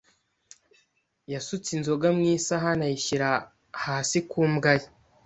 yasutse inzoga mu isahani ayishyira hasi ku mbwa ye.